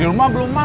iya saya lebih suka